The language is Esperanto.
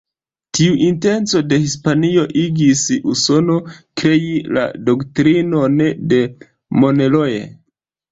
Tiu intenco de Hispanio igis Usono krei la Doktrinon de Monroe.